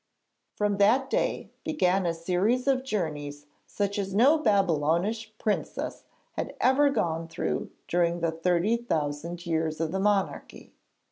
From that day began a series of journeys such as no Babylonish princess had ever gone through during the thirty thousand years of the monarchy.